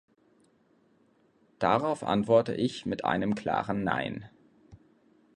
Darauf antworte ich mit einem klaren nein.